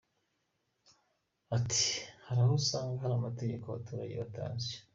Ati″Hari aho usanga hari amategeko abaturage batazi.